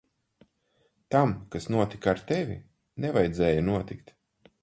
Tam, kas notika ar tevi, nevajadzēja notikt.